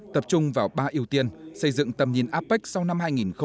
tập trung vào ba ưu tiên xây dựng tầm nhìn apec sau năm hai nghìn hai mươi